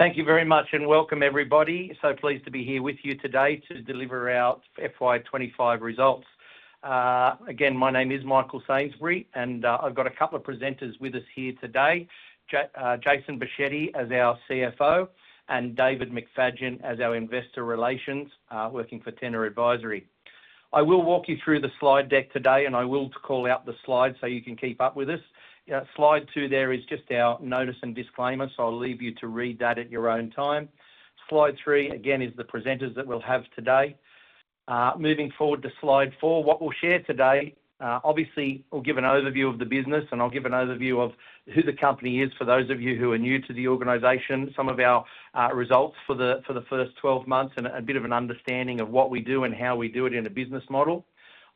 Thank you very much and welcome, everybody. So pleased to be here with you today to deliver our FY 2025 results. Again, my name is Michael Sainsbury, and I've got a couple of presenters with us here today. Jason Boschetti as our CFO and David McFadyen as our investor relations, working for Tenor Advisory. I will walk you through the slide deck today, and I will call out the slides so you can keep up with us. slide two is just our notice and disclaimer, so I'll leave you to read that at your own time. slide three is the presenters that we'll have today. Moving forward to slide four, what we'll share today, obviously we'll give an overview of the business, and I'll give an overview of who the company is for those of you who are new to the organization, some of our results for the first 12 months, and a bit of an understanding of what we do and how we do it in a business model.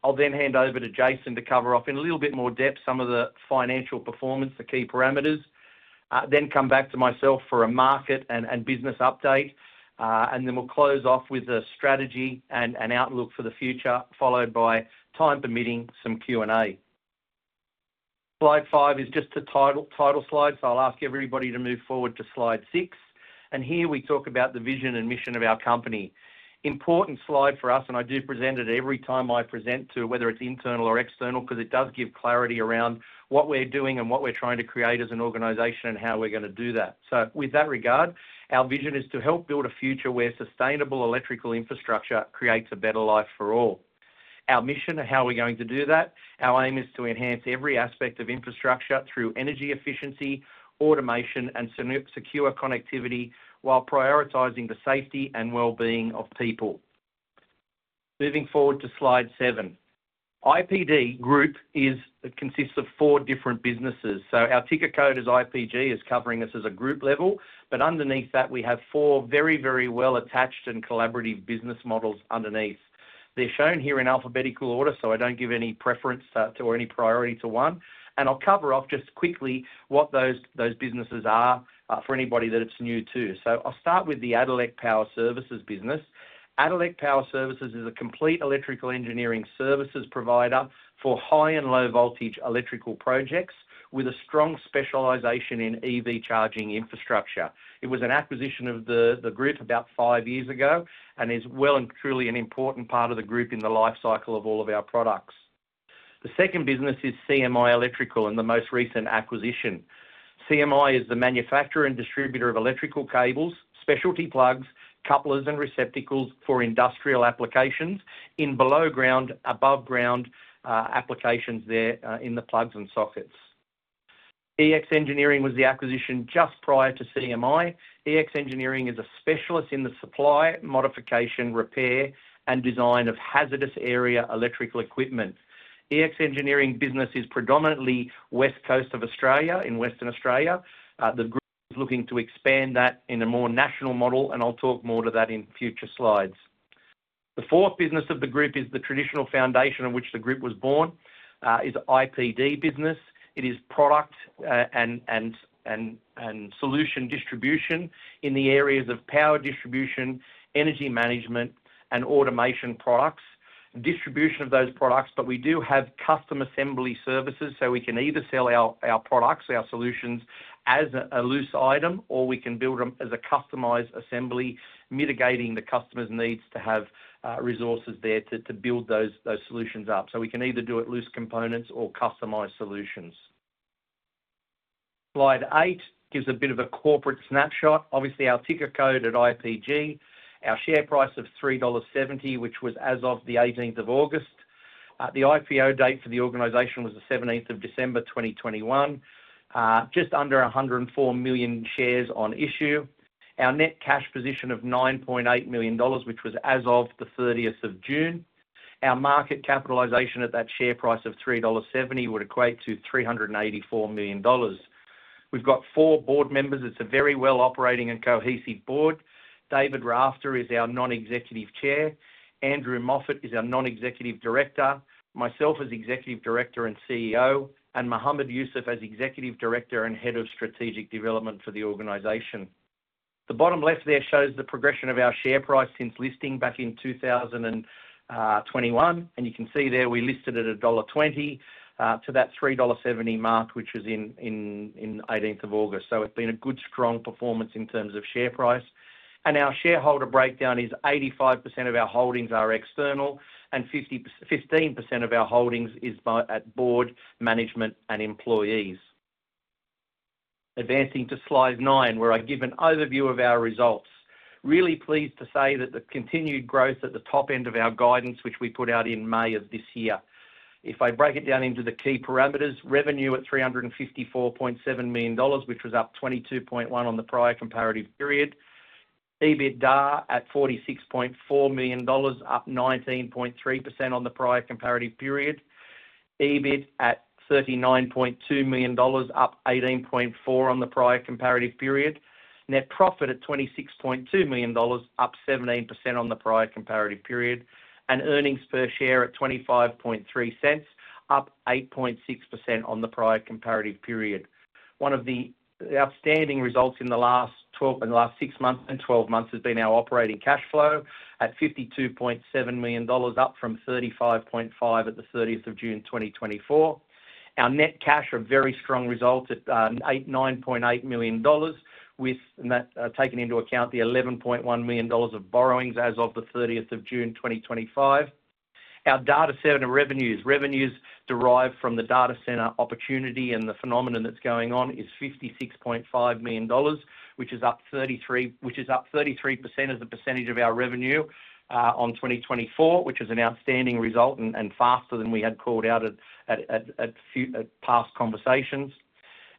I'll then hand over to Jason to cover off in a little bit more depth some of the financial performance, the key parameters. I'll come back to myself for a market and business update, and then we'll close off with a strategy and an outlook for the future, followed by, time permitting, some Q&A. slide five is just a title slide, so I'll ask everybody to move forward to slide six. Here we talk about the vision and mission of our company. Important slide for us, and I do present it every time I present to whether it's internal or external, because it does give clarity around what we're doing and what we're trying to create as an organization and how we're going to do that. With that regard, our vision is to help build a future where sustainable electrical infrastructure creates a better life for all. Our mission and how we're going to do that, our aim is to enhance every aspect of infrastructure through energy efficiency, automation, and secure connectivity, while prioritizing the safety and well-being of people. Moving forward to slide seven, IPD Group consists of four different businesses. Our ticker code is IPG, covering us at a group level. Underneath that, we have four very, very well-attached and collaborative business models underneath. They're shown here in alphabetical order, so I don't give any preference or priority to one. I'll cover off just quickly what those businesses are for anybody that is new to. I'll start with the Addelec Power Services business. Addelec Power Services is a complete electrical engineering services provider for high and low voltage electrical projects with a strong specialization in EV charging infrastructure. It was an acquisition of the group about five years ago and is well and truly an important part of the group in the lifecycle of all of our products. The second business is CMI Electrical and the most recent acquisition. CMI is the manufacturer and distributor of electrical cables, specialty plugs, couplers, and receptacles for industrial applications in below ground, above ground applications there in the plugs and sockets. EX Engineering was the acquisition just prior to CMI. EX Engineering is a specialist in the supply, modification, repair, and design of hazardous area electrical equipment. EX Engineering business is predominantly West Coast of Australia in Western Australia. The group is looking to expand that in a more national model, and I'll talk more to that in future slides. The fourth business of the group is the traditional foundation on which the group was born, is IPD business. It is product and solution distribution in the areas of power distribution, energy management, and automation products. Distribution of those products, but we do have custom assembly services, so we can either sell our products, our solutions as a loose item, or we can build them as a customized assembly, mitigating the customer's needs to have resources there to build those solutions up. We can either do it loose components or customized solutions. slide eight gives a bit of a corporate snapshot. Obviously, our ticker code at IPG, our share price of 3.70 dollars, which was as of the 18th of August. The IPO date for the organization was the 17th of December, 2021. Just under 104 million shares on issue. Our net cash position of 9.8 million dollars, which was as of the 30th of June. Our market capitalization at that share price of 3.70 dollars would equate to 384 million dollars. We've got four board members. It's a very well-operating and cohesive board. David Rafter is our Non-Executive Chair. Andrew Moffat is our Non-Executive Director. Myself as Executive Director and CEO, and Mohammad Yoosuf as Executive Director and Head of Strategic Development for the organization. The bottom left there shows the progression of our share price since listing back in 2021. You can see there we listed at dollar 1.20 to that 3.70 dollar mark, which was in 18th of August. It's been a good strong performance in terms of share price. Our shareholder breakdown is 85% of our holdings are external and 15% of our holdings are at board, management, and employees. Advancing to slide nine, where I give an overview of our results. Really pleased to say that the continued growth at the top end of our guidance, which we put out in May of this year. If I break it down into the key parameters, revenue at 354.7 million dollars, which was up 22.1% on the prior comparative period. EBITDA at 46.4 million dollars, up 19.3% on the prior comparative period. EBIT at 39.2 million dollars, up 18.4% on the prior comparative period. Net profit at 26.2 million dollars, up 17% on the prior comparative period. Earnings per share at 0.253 dollars, up 8.6% on the prior comparative period. One of the outstanding results in the last 12 months has been our operating cash flow at 52.7 million dollars, up from 35.5 million at the 30th of June 2024. Our net cash, a very strong result at 9.8 million dollars, with taking into account the 11.1 million dollars of borrowings as of the 30th of June 2025. Our data center revenues, revenues derived from the data center opportunity and the phenomenon that's going on, is 56.5 million dollars, which is up 33% as a percentage of our revenue on 2024, which is an outstanding result and faster than we had called out at past conversations.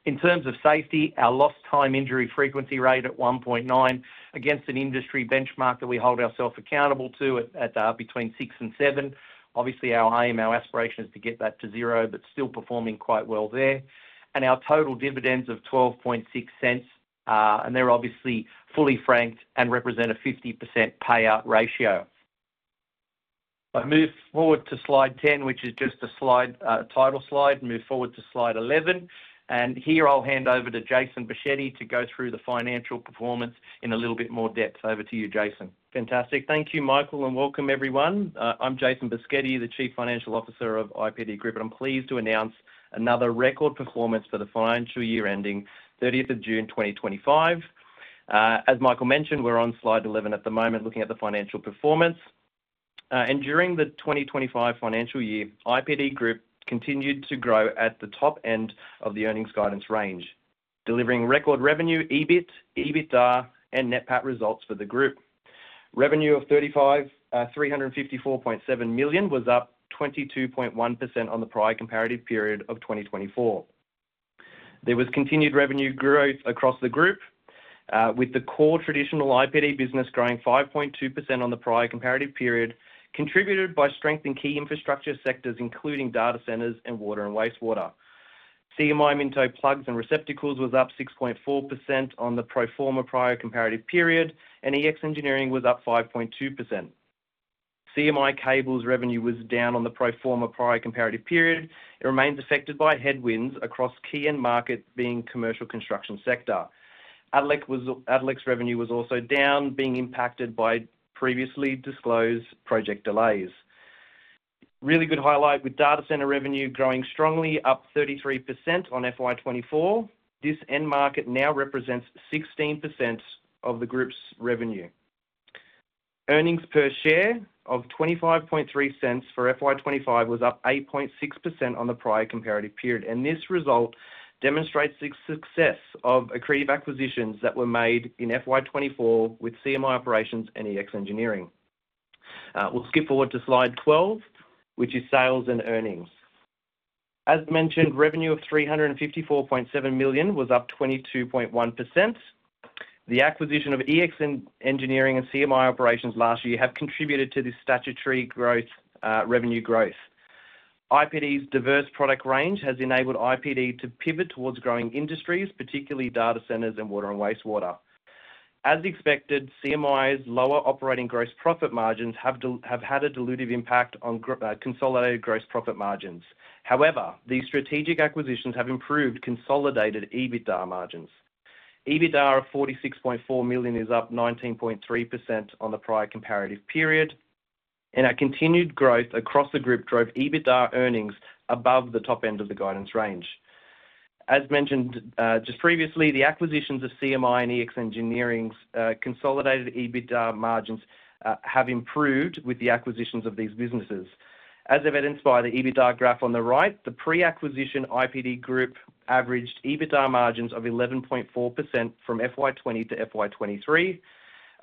In terms of safety, our lost time injury frequency rate at 1.9% against an industry benchmark that we hold ourselves accountable to at between six and seven. Obviously, our aim, our aspiration is to get that to zero, but still performing quite well there. Our total dividends of 0.126, and they're obviously fully franked and represent a 50% payout ratio. I'll move forward to slide 10, which is just a slide title slide. Move forward to slide 11. Here I'll hand over to Jason Boschetti to go through the financial performance in a little bit more depth. Over to you, Jason. Fantastic. Thank you, Michael, and welcome, everyone. I'm Jason Boschetti, the Chief Financial Officer of IPD Group, and I'm pleased to announce another record performance for the financial year ending June 30, 2025. As Michael mentioned, we're on slide 11 at the moment, looking at the financial performance. During the 2025 financial year, IPD Group continued to grow at the top end of the earnings guidance range, delivering record revenue, EBIT, EBITDA, and net profit after tax results for the group. Revenue of 354.7 million was up 22.1% on the prior comparative period of 2024. There was continued revenue growth across the group, with the core traditional IPD business growing 5.2% on the prior comparative period, contributed by strength in key infrastructure sectors, including data centers and water and wastewater. CMI Minto plugs and receptacles, was up 6.4% on the pro forma prior comparative period, and EX Engineering was up 5.2%. CMI Cables revenue was down on the pro forma prior comparative period. It remains affected by headwinds across key end markets, being the commercial construction sector. Addelec's revenue was also down, being impacted by previously disclosed project delays. A really good highlight with data center revenue growing strongly, up 33% on FY 2024. This end market now represents 16% of the group's revenue. Earnings per share of 0.253 for FY 2025 was up 8.6% on the prior comparative period, and this result demonstrates the success of accretive acquisitions that were made in FY 2024 with CMI Electrical Operations and EX Engineering. We'll skip forward to slide 12, which is sales and earnings. As mentioned, revenue of 354.7 million was up 22.1%. The acquisition of EX Engineering and CMI Operations last year have contributed to this statutory revenue growth. IPD's diverse product range has enabled IPD to pivot towards growing industries, particularly data centers and water and wastewater. As expected, CMI's lower operating gross profit margins have had a dilutive impact on consolidated gross profit margins. However, these strategic acquisitions have improved consolidated EBITDA margins. EBITDA of 46.4 million is up 19.3% on the prior comparative period, and our continued growth across the group drove EBITDA earnings above the top end of the guidance range. As mentioned just previously, the acquisitions of CMI Electrical and EX Engineering's consolidated EBITDA margins have improved with the acquisitions of these businesses. As evidenced by the EBITDA graph on the right, the pre-acquisition IPD Group averaged EBITDA margins of 11.4% from FY 2020 to FY 2023.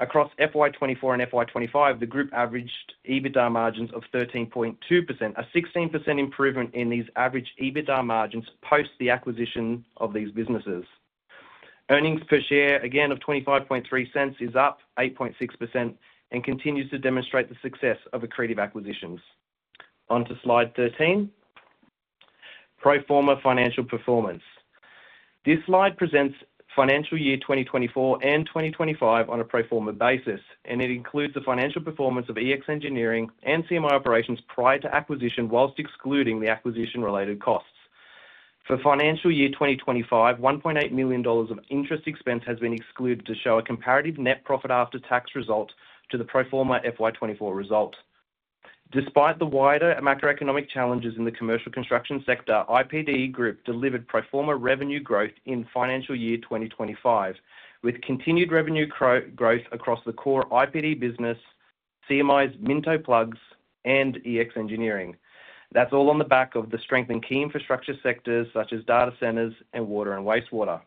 Across FY 2024 and FY 2025, the group averaged EBITDA margins of 13.2%, a 16% improvement in these average EBITDA margins post the acquisition of these businesses. Earnings per share, again, of 0.253 is up 8.6% and continues to demonstrate the success of accretive acquisitions. On to slide 13, pro forma financial performance. This slide presents financial year 2024 and 2025 on a pro forma basis, and it includes the financial performance of EX Engineering and CMI Electrical prior to acquisition whilst excluding the acquisition-related costs. For financial year 2025, 1.8 million dollars of interest expense has been excluded to show a comparative net profit after tax result to the pro forma FY 2024 result. Despite the wider macroeconomic challenges in the commercial construction sector, IPD Group delivered pro forma revenue growth in financial year 2025, with continued revenue growth across the core IPD business, CMI's Minto plugs, and EX Engineering. That's all on the back of the strength in key infrastructure sectors such as data center services and water and wastewater.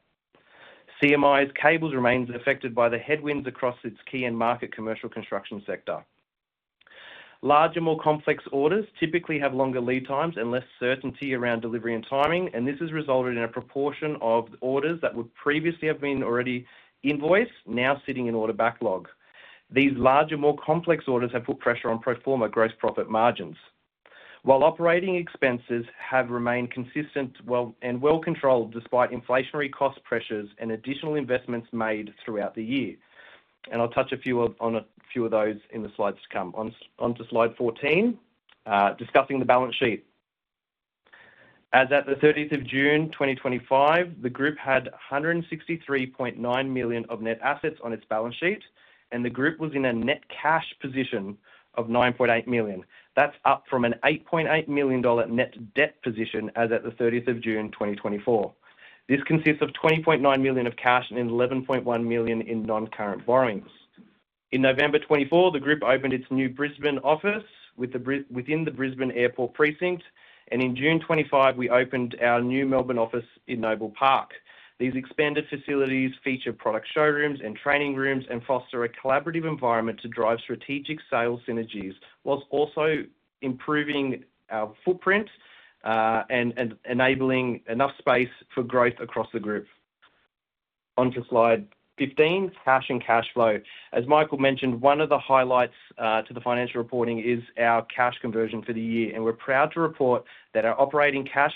CMI Electrical's cables remains affected by the headwinds across its key end market commercial construction sector. Larger, more complex orders typically have longer lead times and less certainty around delivery and timing, and this has resulted in a proportion of orders that would previously have been already invoiced now sitting in order backlog. These larger, more complex orders have put pressure on pro forma gross profit margins. While operating expenses have remained consistent and well controlled despite inflationary cost pressures and additional investments made throughout the year. I'll touch on a few of those in the slides to come. On to slide 14, discussing the balance sheet. As at the 30th of June 2025, the group had 163.9 million of net assets on its balance sheet, and the group was in a net cash position of 9.8 million. That's up from an 8.8 million dollar net debt position as at the 30th of June 2024. This consists of 20.9 million of cash and 11.1 million in non-current borrowings. In November 2024, the group opened its new Brisbane office within the Brisbane Airport Precinct, and in June 2025, we opened our new Melbourne office in Noble Park. These expanded facilities feature product showrooms and training rooms and foster a collaborative environment to drive strategic sales synergies, whilst also improving our footprint and enabling enough space for growth across the group. On to slide 15, cash and cash flow. As Michael mentioned, one of the highlights to the financial reporting is our cash conversion for the year, and we're proud to report that our operating cash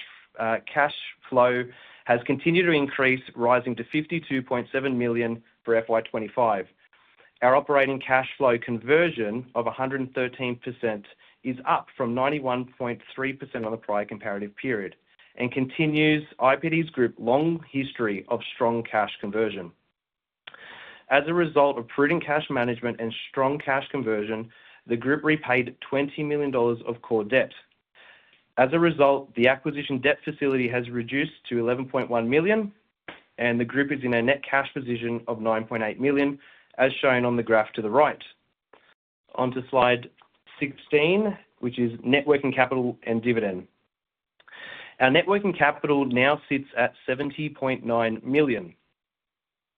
flow has continued to increase, rising to 52.7 million for FY 2025. Our operating cash flow conversion of 113% is up from 91.3% on the prior comparative period and continues IPD Group's long history of strong cash conversion. As a result of prudent cash management and strong cash conversion, the group repaid 20 million dollars of core debt. As a result, the acquisition debt facility has reduced to 11.1 million, and the group is in a net cash position of 9.8 million, as shown on the graph to the right. On to slide 16, which is net working capital and dividend. Our net working capital now sits at 70.9 million.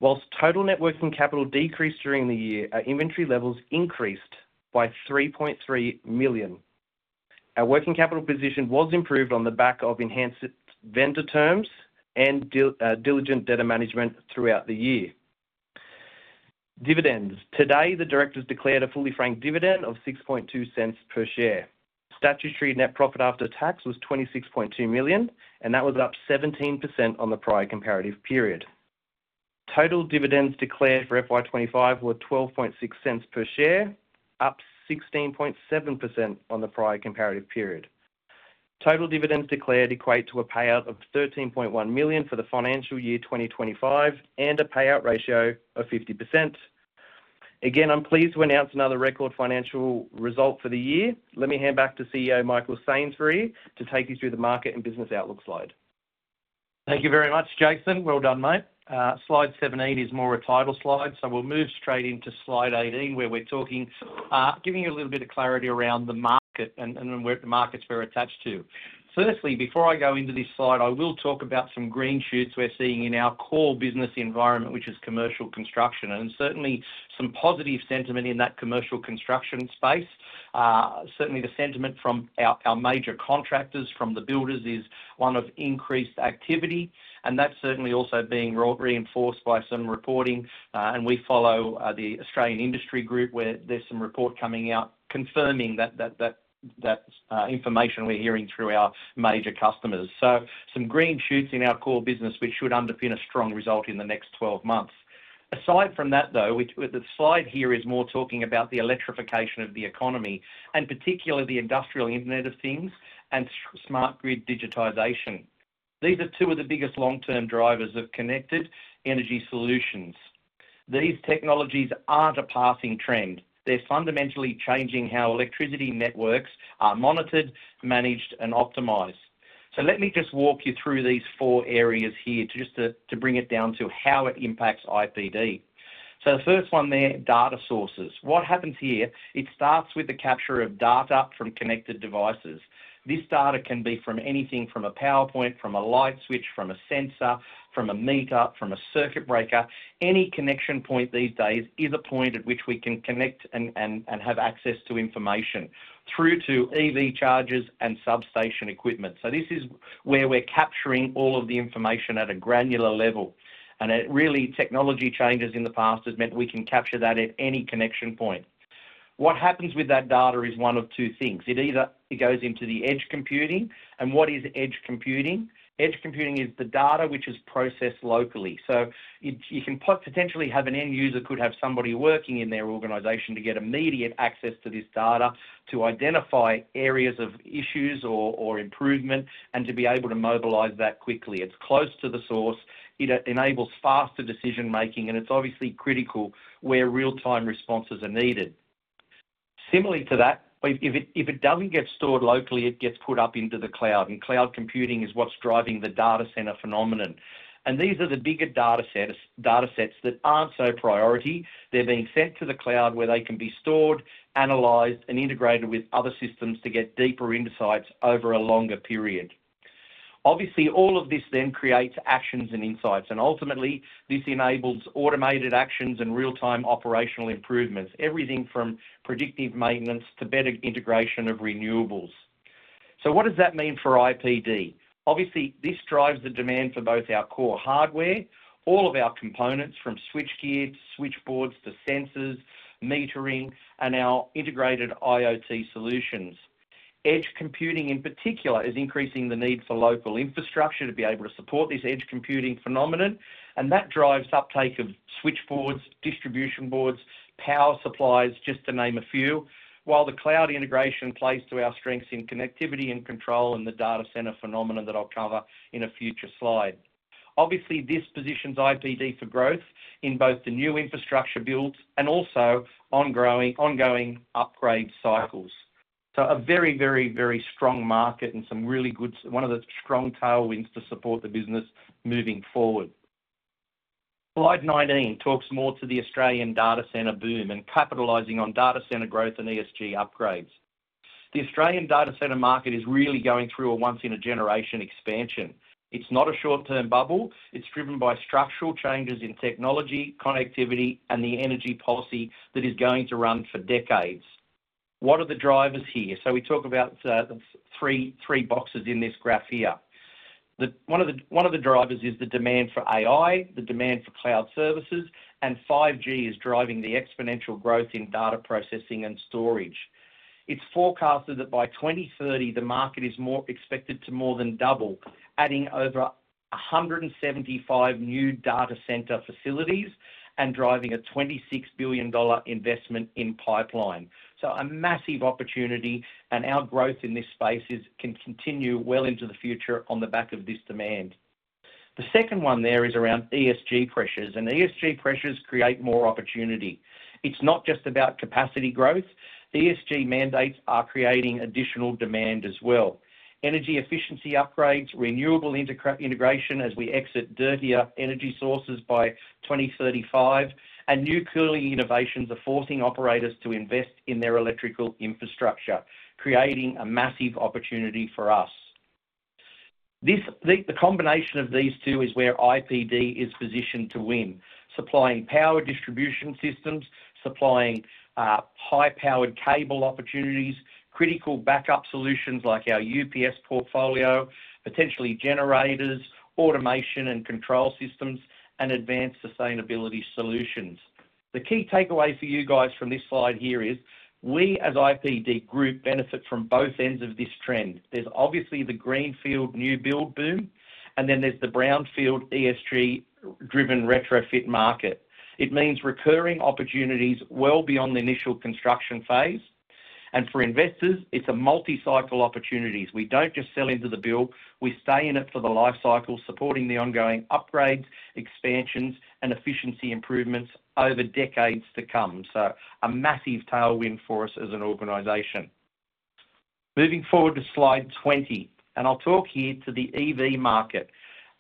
Whilst total net working capital decreased during the year, our inventory levels increased by 3.3 million. Our working capital position was improved on the back of enhanced vendor terms and diligent debtor management throughout the year. Dividends. Today, the directors declared a fully franked dividend of 0.062/share. Statutory net profit after tax was 26.2 million, and that was up 17% on the prior comparative period. Total dividends declared for FY 2025 were 0.126/share, up 16.7% on the prior comparative period. Total dividends declared equate to a payout of 13.1 million for the financial year 2025 and a payout ratio of 50%. Again, I'm pleased to announce another record financial result for the year. Let me hand back to CEO Michael Sainsbury to take you through the market and business outlook slide. Thank you very much, Jason. Well done, mate. slide 78 is more a title slide, so we'll move straight into slide 18, where we're talking, giving you a little bit of clarity around the market and the markets we're attached to. Firstly, before I go into this slide, I will talk about some green shoots we're seeing in our core business environment, which is commercial construction, and certainly some positive sentiment in that commercial construction space. The sentiment from our major contractors, from the builders, is one of increased activity, and that's certainly also being reinforced by some reporting. We follow the Australian Industry Group, where there's some report coming out confirming that information we're hearing through our major customers. Some green shoots in our core business should underpin a strong result in the next 12 months. Aside from that, the slide here is more talking about the electrification of the economy, and particularly the industrial Internet of Things and smart grid digitization. These are two of the biggest long-term drivers of connected energy solutions. These technologies aren't a passing trend. They're fundamentally changing how electricity networks are monitored, managed, and optimized. Let me just walk you through these four areas here to bring it down to how it impacts IPD. The first one there, data sources. What happens here? It starts with the capture of data from connected devices. This data can be from anything from a PowerPoint, from a light switch, from a sensor, from a meetup, from a circuit breaker. Any connection point these days is a point at which we can connect and have access to information through to EV chargers and substation equipment. This is where we're capturing all of the information at a granular level. Technology changes in the past have meant that we can capture that at any connection point. What happens with that data is one of two things. It either goes into the edge computing. What is edge computing? Edge computing is the data which is processed locally. You can potentially have an end user could have somebody working in their organization to get immediate access to this data to identify areas of issues or improvement and to be able to mobilize that quickly. It's close to the source. It enables faster decision making, and it's obviously critical where real-time responses are needed. Similar to that, if it doesn't get stored locally, it gets put up into the cloud, and cloud computing is what's driving the data center phenomenon. These are the bigger data sets that aren't so priority. They're being sent to the cloud where they can be stored, analyzed, and integrated with other systems to get deeper insights over a longer period. Obviously, all of this then creates actions and insights, and ultimately, this enables automated actions and real-time operational improvements, everything from predictive maintenance to better integration of renewables. What does that mean for IPD? Obviously, this drives the demand for both our core hardware, all of our components from switchgear to switchboards to sensors, metering, and our integrated IoT solutions. Edge computing in particular is increasing the need for local infrastructure to be able to support this edge computing phenomenon, and that drives uptake of switchboards, distribution boards, power supplies, just to name a few, while the cloud integration plays to our strengths in connectivity and control and the data center phenomenon that I'll cover in a future slide. This positions IPD for growth in both the new infrastructure builds and also ongoing upgrade cycles. A very, very, very strong market and some really good, one of the strong tailwinds to support the business moving forward. slide 19 talks more to the Australian data center boom and capitalizing on data center growth and ESG upgrades. The Australian data center market is really going through a once-in-a-generation expansion. It's not a short-term bubble. It's driven by structural changes in technology, connectivity, and the energy policy that is going to run for decades. What are the drivers here? We talk about the three boxes in this graph here. One of the drivers is the demand for AI, the demand for cloud services, and 5G is driving the exponential growth in data processing and storage. It's forecasted that by 2030, the market is expected to more than double, adding over 175 new data center facilities and driving a 26 billion dollar investment in pipeline. A massive opportunity, and our growth in this space can continue well into the future on the back of this demand. The second one there is around ESG pressures, and ESG pressures create more opportunity. It's not just about capacity growth. ESG mandates are creating additional demand as well. Energy efficiency upgrades, renewable integration as we exit dirtier energy sources by 2035, and new cooling innovations are forcing operators to invest in their electrical infrastructure, creating a massive opportunity for us. The combination of these two is where IPD is positioned to win, supplying power distribution systems, supplying high-powered cable opportunities, critical backup solutions like our UPS portfolio, potentially generators, automation and control systems, and advanced sustainability solutions. The key takeaway for you guys from this slide here is we as IPD Group benefit from both ends of this trend. There's obviously the greenfield new build boom, and then there's the brownfield ESG-driven retrofit market. It means recurring opportunities well beyond the initial construction phase. For investors, it's a multi-cycle opportunity. We don't just sell into the build. We stay in it for the lifecycle, supporting the ongoing upgrades, expansions, and efficiency improvements over decades to come. A massive tailwind for us as an organization. Moving forward to slide 20, I'll talk here to the EV market.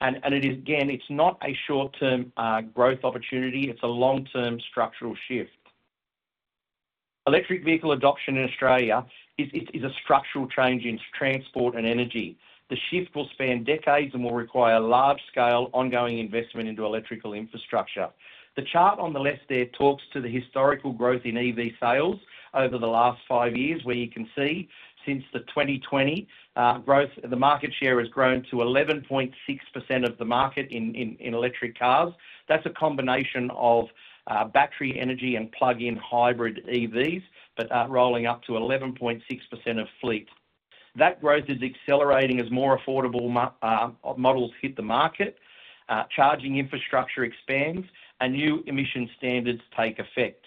It is, again, it's not a short-term growth opportunity. It's a long-term structural shift. Electric vehicle adoption in Australia is a structural change in transport and energy. The shift will span decades and will require large-scale ongoing investment into electrical infrastructure. The chart on the left there talks to the historical growth in EV sales over the last five years, where you can see since 2020, the market share has grown to 11.6% of the market in electric cars. That's a combination of battery energy and plug-in hybrid EVs, but rolling up to 11.6% of fleet. That growth is accelerating as more affordable models hit the market, charging infrastructure expands, and new emission standards take effect.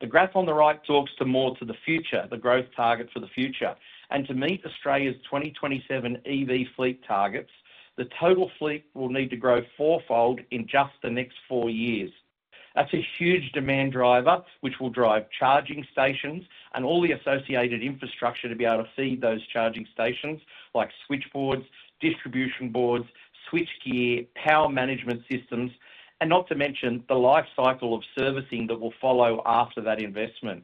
The graph on the right talks more to the future, the growth targets for the future. To meet Australia's 2027 EV fleet targets, the total fleet will need to grow fourfold in just the next four years. That's a huge demand driver, which will drive charging stations and all the associated infrastructure to be able to feed those charging stations like switchboards, distribution boards, switchgear, power management systems, and not to mention the lifecycle of servicing that will follow after that investment.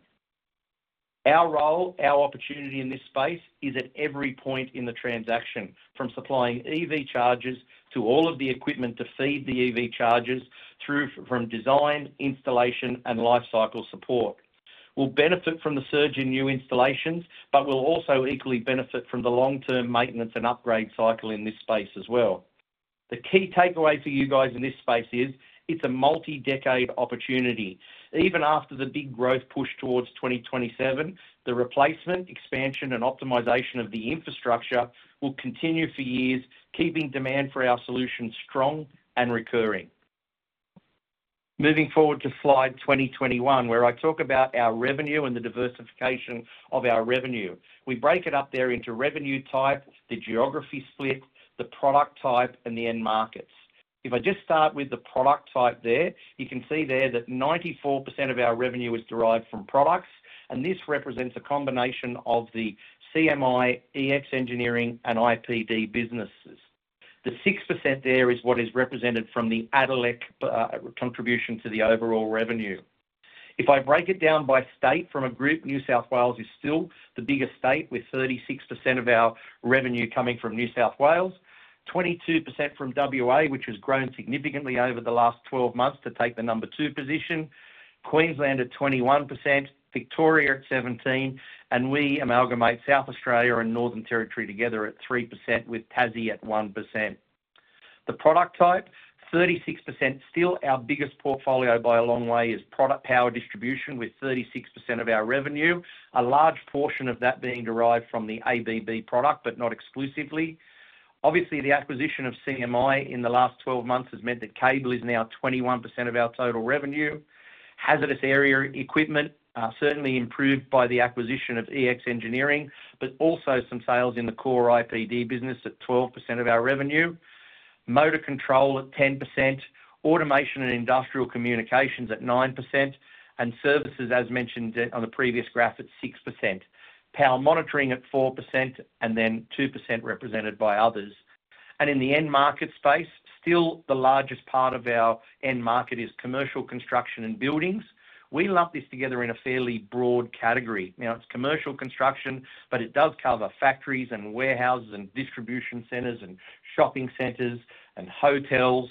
Our role, our opportunity in this space is at every point in the transaction, from supplying EV chargers to all of the equipment to feed the EV chargers, through from design, installation, and lifecycle support. We'll benefit from the surge in new installations, but we'll also equally benefit from the long-term maintenance and upgrade cycle in this space as well. The key takeaway for you guys in this space is it's a multi-decade opportunity. Even after the big growth push towards 2027, the replacement, expansion, and optimization of the infrastructure will continue for years, keeping demand for our solutions strong and recurring. Moving forward to slide 2021, where I talk about our revenue and the diversification of our revenue. We break it up there into revenue type, the geography split, the product type, and the end markets. If I just start with the product type there, you can see there that 94% of our revenue is derived from products, and this represents a combination of the CMI Electrical, EX Engineering, and IPD businesses. The 6% there is what is represented from the Addelec contribution to the overall revenue. If I break it down by state from a group, New South Wales is still the biggest state, with 36% of our revenue coming from New South Wales, 22% from WA, which has grown significantly over the last 12 months to take the number two position, Queensland at 21%, Victoria at 17%, and we amalgamate South Australia and Northern Territory together at 3%, with Tassie at 1%. The product type, 36%, still our biggest portfolio by a long way, is product power distribution, with 36% of our revenue, a large portion of that being derived from the ABB product, but not exclusively. Obviously, the acquisition of CMI Electrical in the last 12 months has meant that cable is now 21% of our total revenue. Hazardous area equipment certainly improved by the acquisition of EX Engineering, but also some sales in the core IPD business at 12% of our revenue. Motor control at 10%, automation and industrial communications at 9%, and services, as mentioned on the previous graph, at 6%. Power monitoring at 4%, and then 2% represented by others. In the end market space, still the largest part of our end market is commercial construction and buildings. We lump this together in a fairly broad category. Now it's commercial construction, but it does cover factories and warehouses and distribution centers and shopping centers and hotels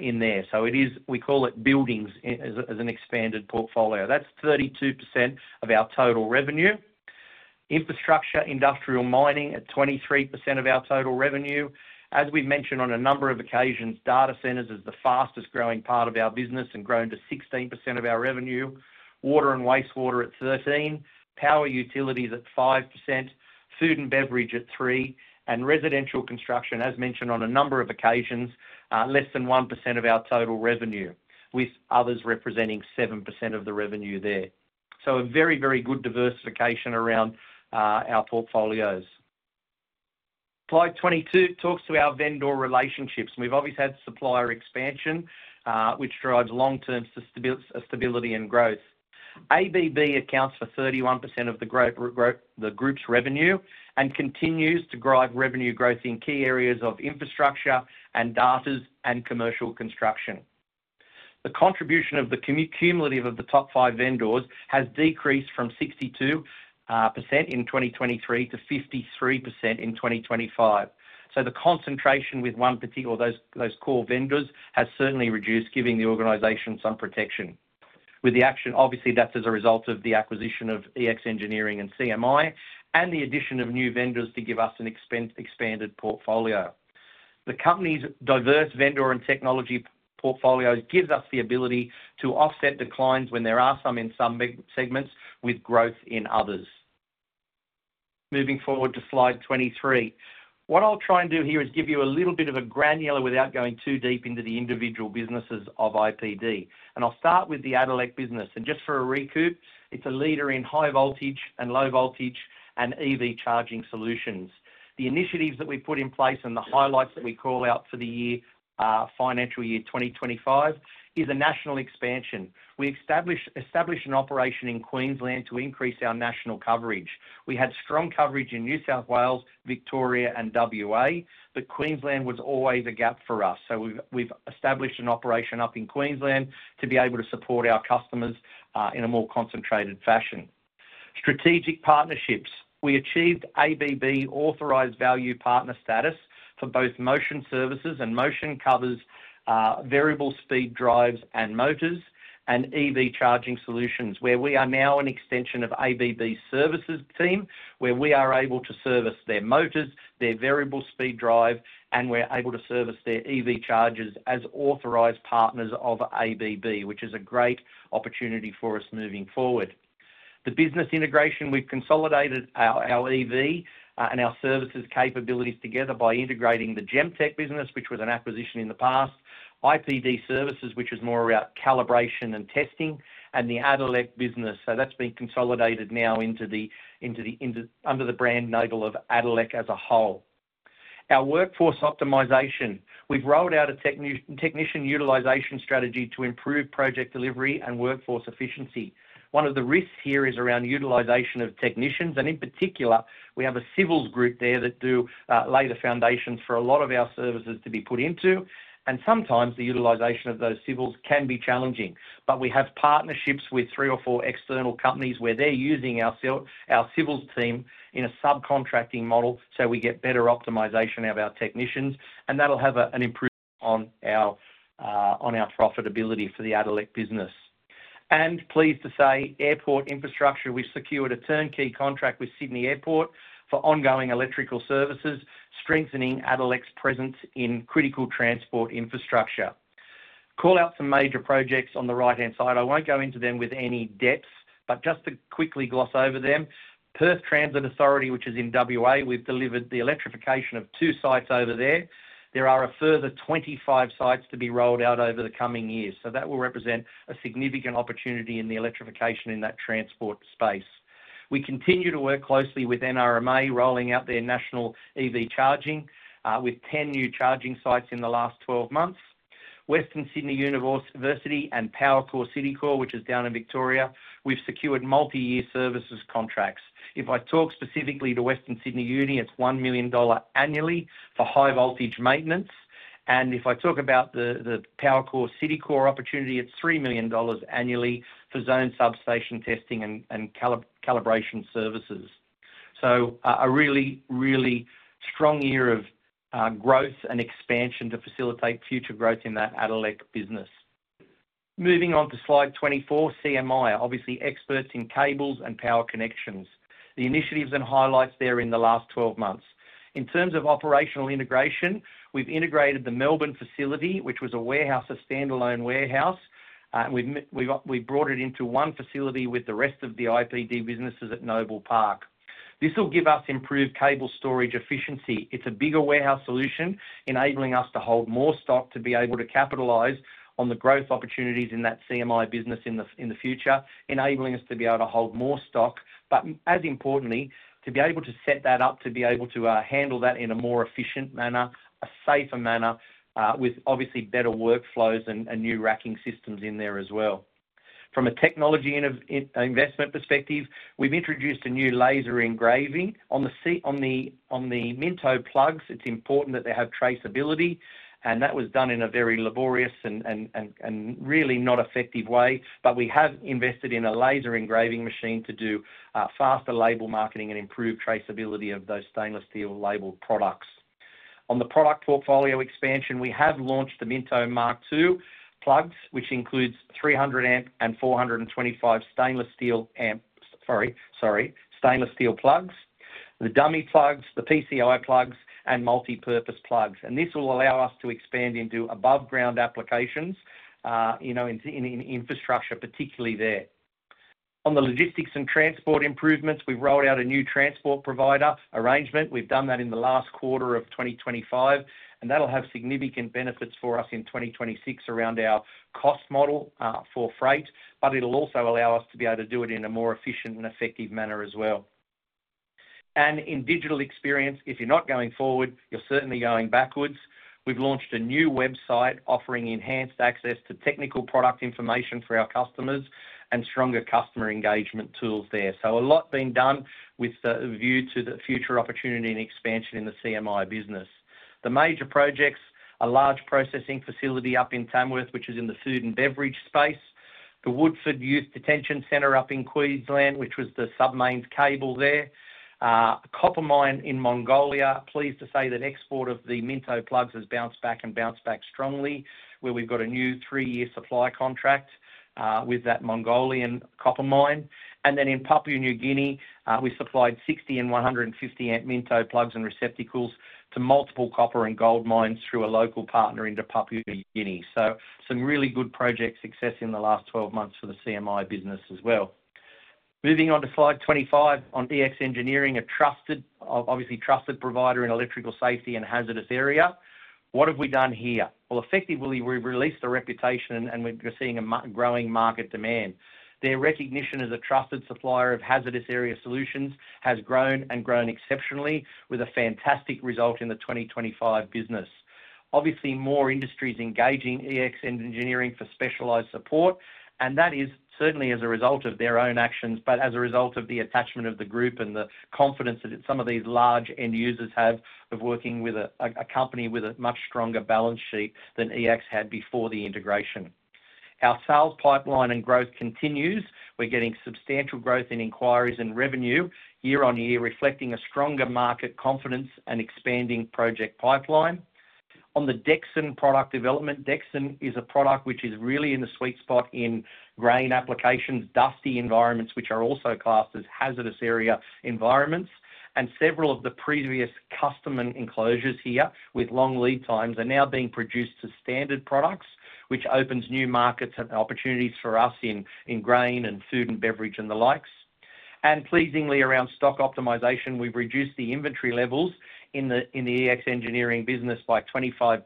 in there. It is, we call it buildings as an expanded portfolio. That's 32% of our total revenue. Infrastructure, industrial mining at 23% of our total revenue. As we've mentioned on a number of occasions, data centers is the fastest growing part of our business and grown to 16% of our revenue. Water and wastewater at 13%, power utilities at 5%, food and beverage at 3%, and residential construction, as mentioned on a number of occasions, less than 1% of our total revenue, with others representing 7% of the revenue there. A very, very good diversification around our portfolios. slide 22 talks to our vendor relationships. We've obviously had supplier expansion, which drives long-term stability and growth. ABB accounts for 31% of the group's revenue and continues to drive revenue growth in key areas of infrastructure and data and commercial construction. The contribution of the cumulative of the top five vendors has decreased from 62% in 2023 to 53% in 2025. The concentration with one particular, those core vendors, has certainly reduced, giving the organization some protection. The action, obviously, that's as a result of the acquisition of EX Engineering and CMI and the addition of new vendors to give us an expanded portfolio. The company's diverse vendor and technology portfolios give us the ability to offset declines when there are some in some segments with growth in others. Moving forward to slide 23, what I'll try and do here is give you a little bit of a granular without going too deep into the individual businesses of IPD. I'll start with the Addelec business. Just for a recoup, it's a leader in high voltage and low voltage and EV charging solutions. The initiatives that we put in place and the highlights that we call out for the year, financial year 2025, is a national expansion. We established an operation in Queensland to increase our national coverage. We had strong coverage in New South Wales, Victoria, and WA, but Queensland was always a gap for us. We've established an operation up in Queensland to be able to support our customers in a more concentrated fashion. Strategic partnerships. We achieved ABB authorized value partner status for both motion services and motion covers, variable speed drives and motors, and EV charging solutions, where we are now an extension of ABB's services team, where we are able to service their motors, their variable speed drive, and we're able to service their EV chargers as authorized partners of ABB, which is a great opportunity for us moving forward. The business integration, we've consolidated our EV and our services capabilities together by integrating the GemTech business, which was an acquisition in the past, IPD services, which is more about calibration and testing, and the Addelec business. That's been consolidated now under the brand label of Addelec as a whole. Our workforce optimization. We've rolled out a technician utilization strategy to improve project delivery and workforce efficiency. One of the risks here is around utilization of technicians, and in particular, we have a civils group there that lay the foundations for a lot of our services to be put into, and sometimes the utilization of those civils can be challenging. We have partnerships with three or four external companies where they're using our civils team in a subcontracting model, so we get better optimization out of our technicians, and that'll have an improvement on our profitability for the Addelec business. Pleased to say, airport infrastructure, we've secured a turnkey contract with Sydney Airport for ongoing electrical services, strengthening Addelec's presence in critical transport infrastructure. Call out some major projects on the right-hand side. I won't go into them with any depth, but just to quickly gloss over them. Perth Transit Authority, which is in WA, we've delivered the electrification of two sites over there. There are a further 25 sites to be rolled out over the coming years. That will represent a significant opportunity in the electrification in that transport space. We continue to work closely with NRMA, rolling out their national EV charging, with 10 new charging sites in the last 12 months. Western Sydney University and PowerCore City Corps, which is down in Victoria, we've secured multi-year services contracts. If I talk specifically to Western Sydney Uni, it's 1 million dollar annually for high voltage maintenance. If I talk about the PowerCore City Corps opportunity, it's 3 million dollars annually for zone substation testing and calibration services. A really, really strong year of growth and expansion to facilitate future growth in that Addelec Power Services business. Moving on to slide 24, CMI, obviously experts in cables and power connections. The initiatives and highlights there in the last 12 months. In terms of operational integration, we've integrated the Melbourne facility, which was a warehouse, a standalone warehouse. We brought it into one facility with the rest of the IPD businesses at Noble Park. This will give us improved cable storage efficiency. It's a bigger warehouse solution, enabling us to hold more stock to be able to capitalize on the growth opportunities in that CMI business in the future, enabling us to be able to hold more stock, but as importantly, to be able to set that up to be able to handle that in a more efficient manner, a safer manner, with obviously better workflows and new racking systems in there as well. From a technology investment perspective, we've introduced a new laser engraving on the Minto plugs. It's important that they have traceability, and that was done in a very laborious and really not effective way. We have invested in a laser engraving machine to do faster label marking and improve traceability of those stainless steel labeled products. On the product portfolio expansion, we have launched the Minto Mark II plugs, which includes 300 amp and 425 amp stainless steel plugs, the dummy plugs, the PCOA plugs, and multipurpose plugs. This will allow us to expand into above-ground applications, you know, in infrastructure, particularly there. On the logistics and transport improvements, we've rolled out a new transport provider arrangement. We've done that in the last quarter of 2025, and that'll have significant benefits for us in 2026 around our cost model for freight, but it'll also allow us to be able to do it in a more efficient and effective manner as well. In digital experience, if you're not going forward, you're certainly going backwards. We've launched a new website offering enhanced access to technical product information for our customers and stronger customer engagement tools there. A lot is being done with the view to the future opportunity and expansion in the CMI business. The major projects are a large processing facility up in Tamworth, which is in the food and beverage space, the Woodford Youth Detention Center up in Queensland, which was the submarine cable there, a copper mine in Mongolia. Pleased to say that export of the Minto plugs has bounced back and bounced back strongly, where we've got a new three-year supply contract with that Mongolian copper mine. In Papua New Guinea, we supplied 60 and 150 amp Minto plugs and receptacles to multiple copper and gold mines through a local partner into Papua New Guinea. Some really good project success in the last 12 months for the CMI business as well. Moving on to slide 25 on EX Engineering, a trusted, obviously trusted provider in electrical safety and hazardous area. What have we done here? Effectively, we've released the reputation and we're seeing a growing market demand. Their recognition as a trusted supplier of hazardous area solutions has grown and grown exceptionally, with a fantastic result in the 2025 business. More industries are engaging EX Engineering for specialized support, and that is certainly as a result of their own actions, but also as a result of the attachment of the group and the confidence that some of these large end users have of working with a company with a much stronger balance sheet than EX had before the integration. Our sales pipeline and growth continues. We're getting substantial growth in inquiries and revenue year on year, reflecting a stronger market confidence and expanding project pipeline. On the Dexon product development, Dexon is a product which is really in the sweet spot in grain applications, dusty environments, which are also classed as hazardous area environments. Several of the previous custom enclosures here with long lead times are now being produced to standard products, which opens new markets and opportunities for us in grain and food and beverage and the likes. Pleasingly, around stock optimization, we've reduced the inventory levels in the EX Engineering business by 25%.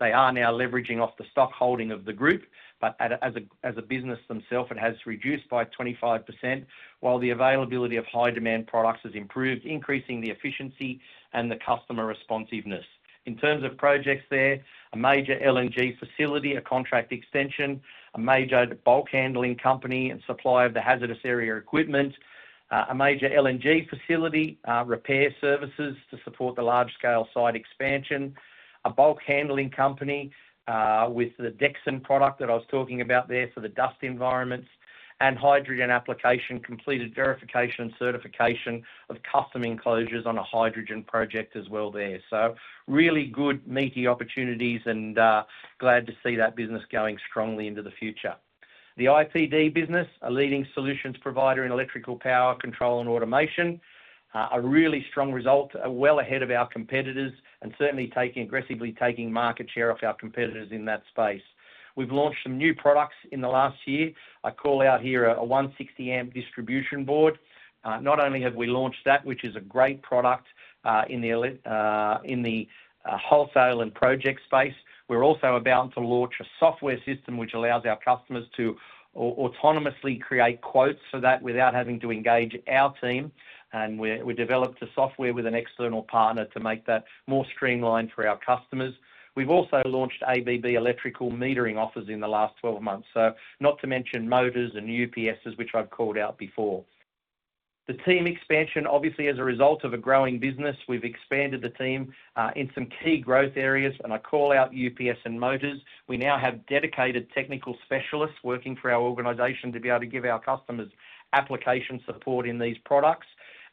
They are now leveraging off the stock holding of the group, but as a business themselves, it has reduced by 25%, while the availability of high-demand products has improved, increasing the efficiency and the customer responsiveness. In terms of projects there, a major LNG facility, a contract extension, a major bulk handling company and supplier of the hazardous area equipment, a major LNG facility, repair services to support the large-scale site expansion, a bulk handling company with the Dexon product that I was talking about there for the dust environments, and hydrogen application completed verification and certification of custom enclosures on a hydrogen project as well there. Really good meaty opportunities and glad to see that business going strongly into the future. The IPD business, a leading solutions provider in electrical power control and automation, a really strong result, well ahead of our competitors and certainly aggressively taking market share off our competitors in that space. We've launched some new products in the last year. I call out here a 160 amp distribution board. Not only have we launched that, which is a great product in the wholesale and project space, we're also about to launch a software system which allows our customers to autonomously create quotes for that without having to engage our team. We developed a software with an external partner to make that more streamlined for our customers. We've also launched ABB electrical metering offers in the last 12 months, not to mention motors and UPS, which I've called out before. The team expansion, obviously, as a result of a growing business, we've expanded the team in some key growth areas, and I call out UPS and motors. We now have dedicated technical specialists working for our organization to be able to give our customers application support in these products.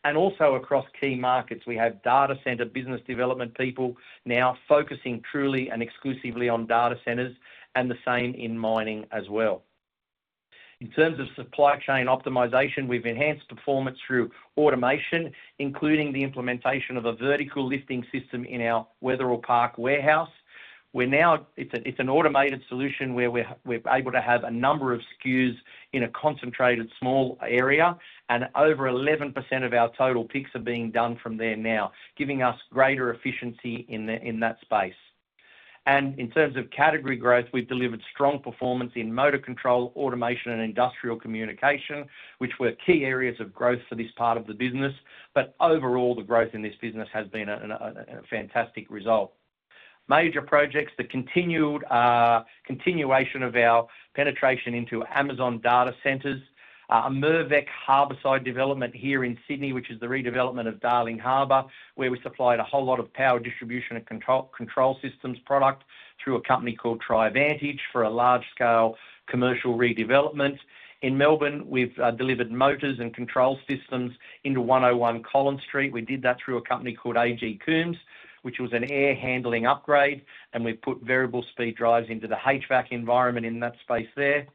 Also across key markets, we have data center business development people now focusing truly and exclusively on data centers and the same in mining as well. In terms of supply chain optimization, we've enhanced performance through automation, including the implementation of a vertical lifting system in our Wetherill Park Warehouse. Now, it's an automated solution where we're able to have a number of SKUs in a concentrated small area, and over 11% of our total picks are being done from there now, giving us greater efficiency in that space. In terms of category growth, we've delivered strong performance in motor control, automation, and industrial communication, which were key areas of growth for this part of the business. Overall, the growth in this business has been a fantastic result. Major projects, the continuation of our penetration into Amazon data centers, a Mirvac harborside development here in Sydney, which is the redevelopment of Darling Harbour, where we supplied a whole lot of power distribution and control systems product through a company called Trivantage for a large-scale commercial redevelopment. In Melbourne, we've delivered motors and control systems into 101 Collins Street. We did that through a company called A.G. Coombs, which was an air handling upgrade, and we've put variable speed drives into the HVAC environment in that space there.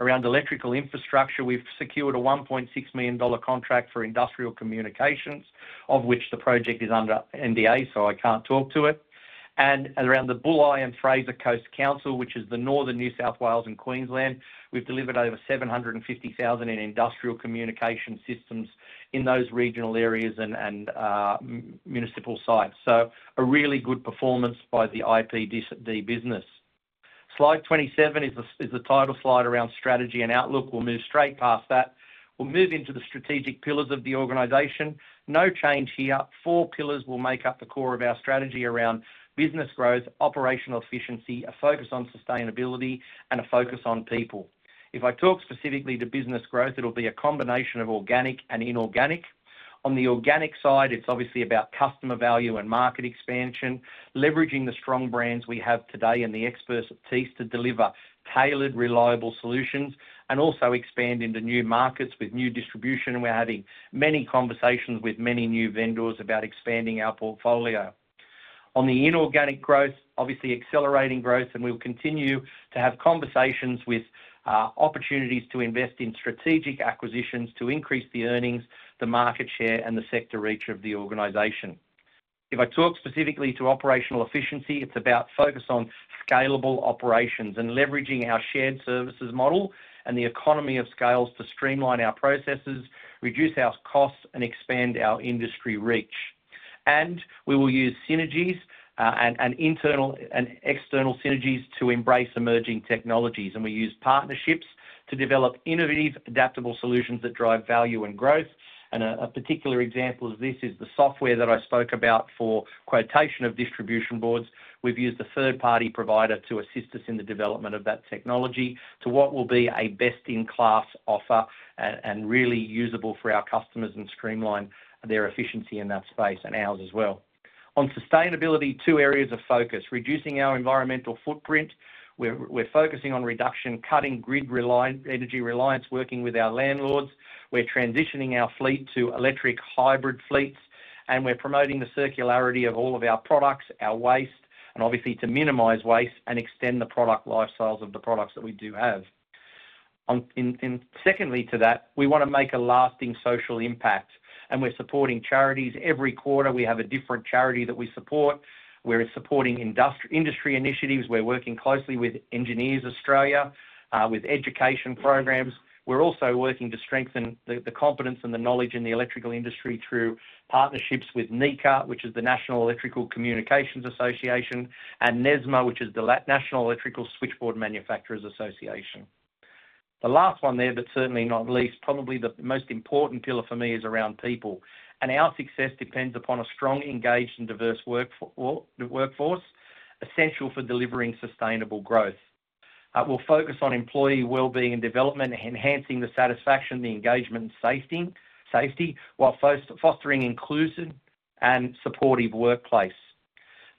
Around electrical infrastructure, we've secured a 1.6 million dollar contract for industrial communications, of which the project is under NDA, so I can't talk to it. Around the Byron and Fraser Coast Council, which is the northern New South Wales and Queensland, we've delivered over 750,000 in industrial communication systems in those regional areas and municipal sites. A really good performance by the IPD business. slide 27 is the title slide around strategy and outlook. We'll move straight past that and move into the strategic pillars of the organization. No change here. Four pillars make up the core of our strategy around business growth, operational efficiency, a focus on sustainability, and a focus on people. If I talk specifically to business growth, it'll be a combination of organic and inorganic. On the organic side, it's obviously about customer value and market expansion, leveraging the strong brands we have today and the expertise to deliver tailored, reliable solutions, and also expand into new markets with new distribution. We're having many conversations with many new vendors about expanding our portfolio. On the inorganic growth, obviously accelerating growth, and we'll continue to have conversations with opportunities to invest in strategic acquisitions to increase the earnings, the market share, and the sector reach of the organization. If I talk specifically to operational efficiency, it's about focus on scalable operations and leveraging our shared services model and the economy of scales to streamline our processes, reduce our costs, and expand our industry reach. We will use synergies and internal and external synergies to embrace emerging technologies, and we use partnerships to develop innovative, adaptable solutions that drive value and growth. A particular example of this is the software that I spoke about for quotation of distribution boards. We've used a third-party provider to assist us in the development of that technology to what will be a best-in-class offer and really usable for our customers and streamline their efficiency in that space and ours as well. On sustainability, two areas of focus: reducing our environmental footprint. We're focusing on reduction, cutting grid energy reliance, working with our landlords. We're transitioning our fleet to electric hybrid fleets, and we're promoting the circularity of all of our products, our waste, and obviously to minimize waste and extend the product lifecycle of the products that we do have. Secondly to that, we want to make a lasting social impact, and we're supporting charities every quarter. We have a different charity that we support. We're supporting industry initiatives. We're working closely with Engineers Australia, with education programs. We're also working to strengthen the competence and the knowledge in the electrical industry through partnerships with NECA, which is the National Electrical Communications Association, and NESMA, which is the National Electrical Switchboard Manufacturers Association. The last one there, but certainly not least, probably the most important pillar for me is around people. Our success depends upon a strong, engaged, and diverse workforce, essential for delivering sustainable growth. We'll focus on employee wellbeing and development, enhancing the satisfaction, the engagement, and safety, while fostering an inclusive and supportive workplace.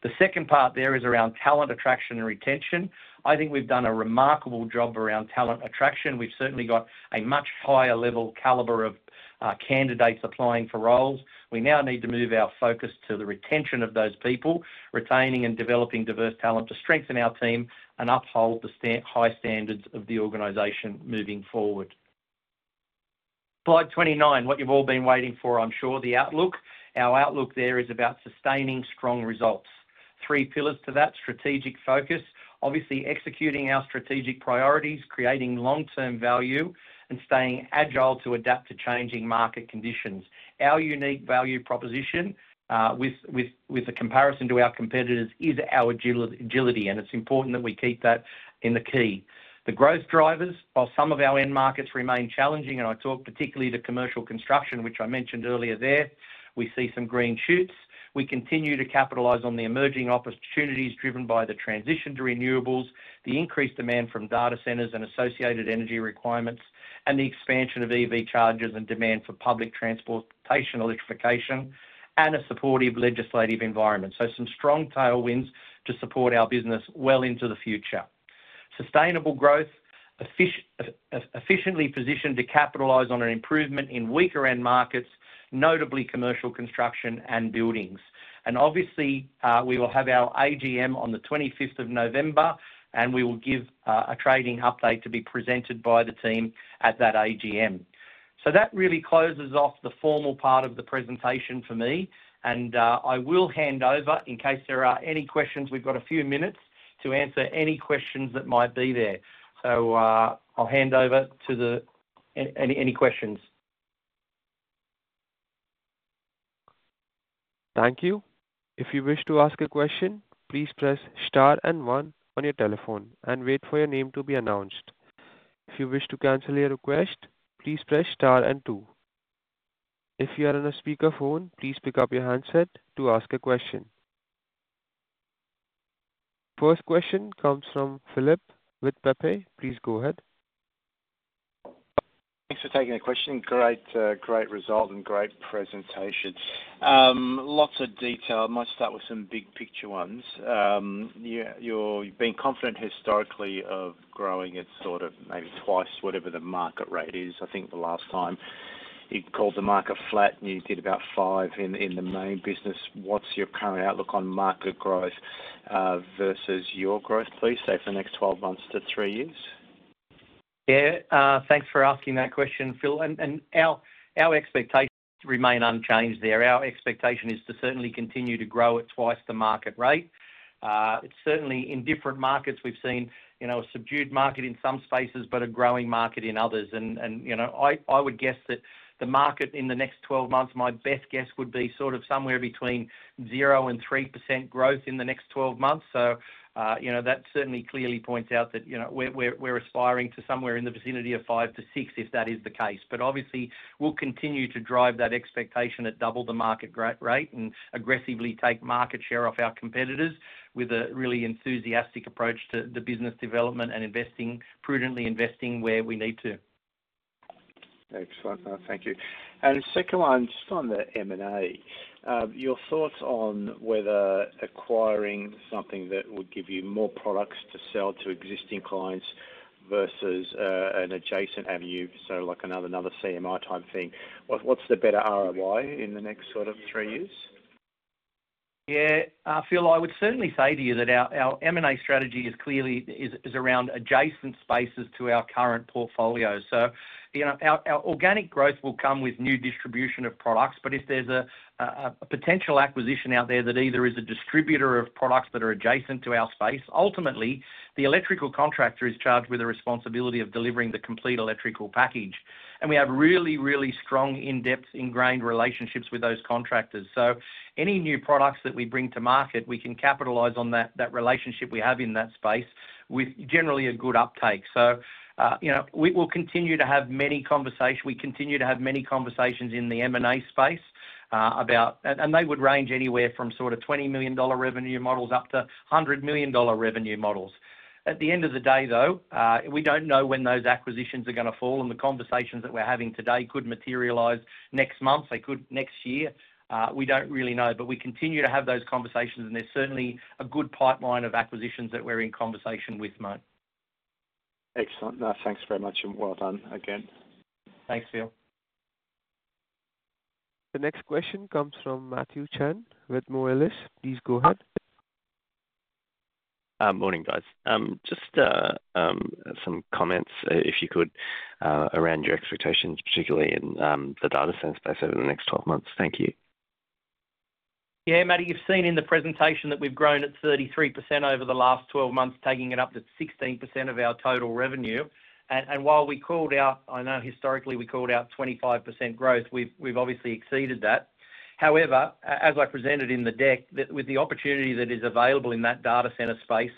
The second part there is around talent attraction and retention. I think we've done a remarkable job around talent attraction. We've certainly got a much higher level caliber of candidates applying for roles. We now need to move our focus to the retention of those people, retaining and developing diverse talent to strengthen our team and uphold the high standards of the organization moving forward. slide 29, what you've all been waiting for, I'm sure, the outlook. Our outlook there is about sustaining strong results. Three pillars to that: strategic focus, obviously executing our strategic priorities, creating long-term value, and staying agile to adapt to changing market conditions. Our unique value proposition with a comparison to our competitors is our agility, and it's important that we keep that in the key. The growth drivers of some of our end markets remain challenging, and I talk particularly to commercial construction, which I mentioned earlier there. We see some green shoots. We continue to capitalize on the emerging opportunities driven by the transition to renewables, the increased demand from data centers and associated energy requirements, and the expansion of EV chargers and demand for public transportation, electrification, and a supportive legislative environment. There are some strong tailwinds to support our business well into the future. Sustainable growth, efficiently positioned to capitalize on an improvement in weaker end markets, notably commercial construction and buildings. We will have our AGM on the 25th of November, and we will give a trading update to be presented by the team at that AGM. That really closes off the formal part of the presentation for me, and I will hand over in case there are any questions. We've got a few minutes to answer any questions that might be there. I'll hand over to the any questions. Thank you. If you wish to ask a question, please press star and one on your telephone and wait for your name to be announced. If you wish to cancel your request, please press star and two. If you are on a speaker phone, please pick up your handset to ask a question. First question comes from Philip Pepe. Please go ahead. Thanks for taking the question. Great, great result and great presentation. Lots of detail. I might start with some big picture ones. You're being confident historically of growing. It's sort of maybe twice whatever the market rate is. I think the last time you called the market flat and you did about 5% in the main business. What's your current outlook on market growth versus your growth, please, say for the next 12 months to three years? Yeah. Thanks for asking that question, Phil. Our expectations remain unchanged there. Our expectation is to certainly continue to grow at twice the market rate. It's certainly in different markets. We've seen a subdued market in some spaces, but a growing market in others. I would guess that the market in the next 12 months, my best guess would be sort of somewhere between 0% and 3% growth in the next 12 months. That certainly clearly points out that we're aspiring to somewhere in the vicinity of 5%-6% if that is the case. Obviously, we'll continue to drive that expectation at double the market rate and aggressively take market share off our competitors with a really enthusiastic approach to the business development and prudently investing where we need to. Excellent. Thank you. And second one, just on the M&A, your thoughts on whether acquiring something that would give you more products to sell to existing clients versus an adjacent avenue, so like another CMI Electrical type thing, what's the better ROI in the next sort of three years? Yeah. Phil, I would certainly say to you that our M&A strategy is clearly around adjacent spaces to our current portfolio. Our organic growth will come with new distribution of products, but if there's a potential acquisition out there that either is a distributor of products that are adjacent to our space, ultimately, the electrical contractor is charged with the responsibility of delivering the complete electrical package. We have really, really strong in-depth ingrained relationships with those contractors. Any new products that we bring to market, we can capitalize on that relationship we have in that space with generally a good uptake. We continue to have many conversations in the M&A space, and they would range anywhere from sort of 20 million dollar revenue models up to 100 million dollar revenue models. At the end of the day, though, we don't know when those acquisitions are going to fall, and the conversations that we're having today could materialize next month. They could next year. We don't really know, but we continue to have those conversations, and there's certainly a good pipeline of acquisitions that we're in conversation with. Excellent. No, thanks very much, and well done again. Thanks, Phil. The next question comes from Matthew Chen with Moelis. Please go ahead. Morning, guys. Just some comments, if you could, around your expectations, particularly in the data center space over the next 12 months. Thank you. Yeah, Matty, you've seen in the presentation that we've grown at 33% over the last 12 months, taking it up to 16% of our total revenue. While we called out, I know historically we called out 25% growth, we've obviously exceeded that. However, as I presented in the deck, with the opportunity that is available in that data center space,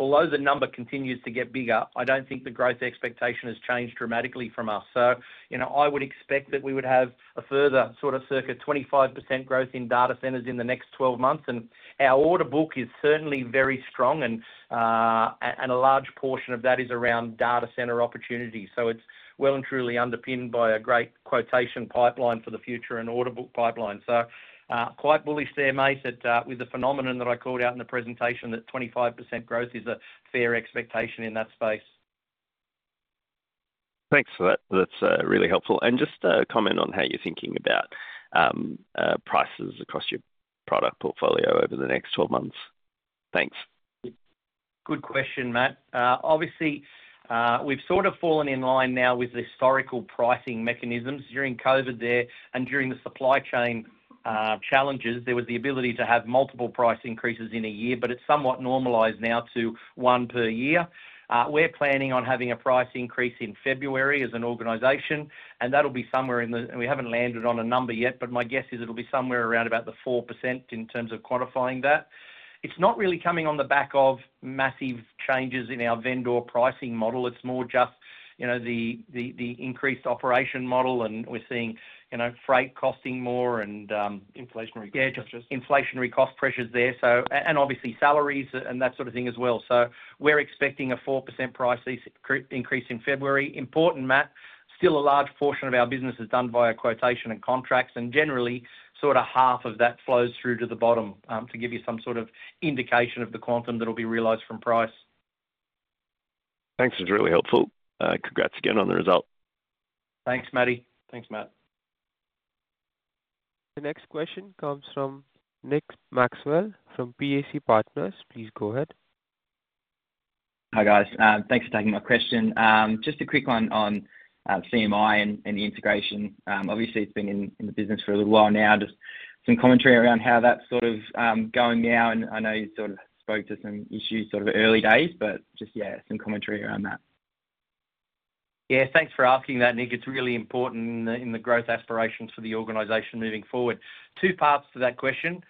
although the number continues to get bigger, I don't think the growth expectation has changed dramatically from us. I would expect that we would have a further sort of circa 25% growth in data centers in the next 12 months. Our order book is certainly very strong, and a large portion of that is around data center opportunities. It's well and truly underpinned by a great quotation pipeline for the future and order book pipeline. Quite bullish there, mate, with the phenomenon that I called out in the presentation that 25% growth is a fair expectation in that space. Thanks for that. That's really helpful. Just a comment on how you're thinking about prices across your product portfolio over the next 12 months. Thanks. Good question, Matt. Obviously, we've sort of fallen in line now with historical pricing mechanisms. During COVID and during the supply chain challenges, there was the ability to have multiple price increases in a year, but it's somewhat normalized now to 1/year. We're planning on having a price increase in February as an organization, and that'll be somewhere in the, and we haven't landed on a number yet, but my guess is it'll be somewhere around about the 4% in terms of quantifying that. It's not really coming on tee back of massive changes in our vendor pricing model. It's more just the increased operation model, and we're seeing freight costing more and inflationary cost pressures there. Obviously salaries and that sort of thing as well. We're expecting a 4% price increase in February. Important, Matt, still a large portion of our business is done via quotation and contracts, and generally sort of half of that flows through to the bottom to give you some sort of indication of the quantum that'll be realized from price. Thanks. It's really helpful. Congrats again on the result. Thanks, Matty. Thanks, Matt. The next question comes from Nick Maxwell from PAC Partners. Please go ahead. Hi, guys. Thanks for taking my question. Just a quick one on CMI and integration. Obviously, it's been in the business for a little while now. Just some commentary around how that's sort of going now. I know you sort of spoke to some issues sort of early days, but just, yeah, some commentary around that. Yeah, thanks for asking that, Nick. It's really important in the growth aspirations for the organization moving forward. Two parts to that question.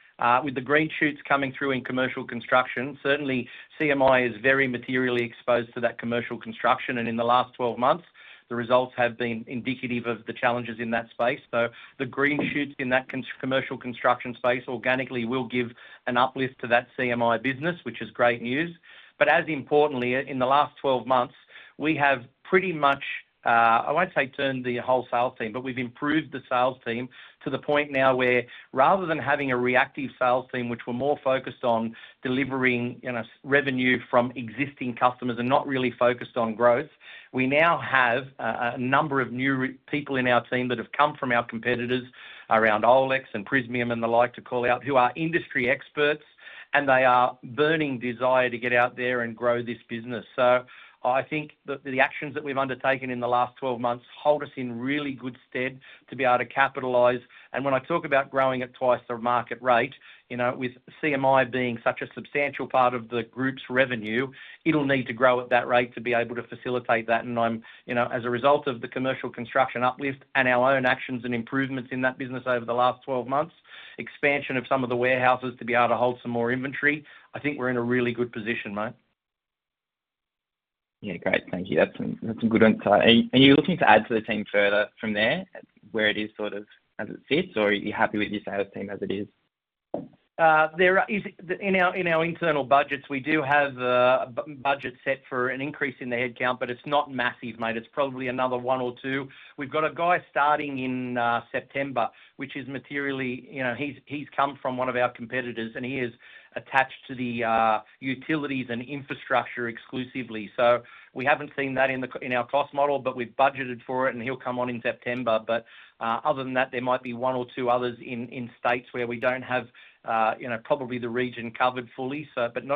With the green shoots coming through in commercial construction, certainly CMI is very materially exposed to that commercial construction. In the last 12 months, the results have been indicative of the challenges in that space. The green shoots in that commercial construction space organically will give an uplift to that CMI business, which is great news. As importantly, in the last 12 months, we have pretty much, I won't say turned the whole sales team, but we've improved the sales team to the point now where, rather than having a reactive sales team, which were more focused on delivering revenue from existing customers and not really focused on growth, we now have a number of new people in our team that have come from our competitors around OLX and Prysmian and the like to call out, who are industry experts, and they are burning desire to get out there and grow this business. I think the actions that we've undertaken in the last 12 months hold us in really good stead to be able to capitalize. When I talk about growing at twice the market rate, you know, with CMI being such a substantial part of the group's revenue, it'll need to grow at that rate to be able to facilitate that. I'm, you know, as a result of the commercial construction uplift and our own actions and improvements in that business over the last 12 months, expansion of some of the warehouses to be able to hold some more inventory, I think we're in a really good position, mate. Yeah, great. Thank you. That's some good insight. You're looking to add to the team further from there where it is sort of as it sits, or are you happy with your sales team as it is? In our internal budgets, we do have a budget set for an increase in the headcount, but it's not massive, mate. It's probably another one or two. We've got a guy starting in September, which is materially, you know, he's come from one of our competitors, and he is attached to the utilities and infrastructure exclusively. We haven't seen that in our cost model, but we've budgeted for it, and he'll come on in September. Other than that, there might be one or two others in states where we don't have, you know, probably the region covered fully.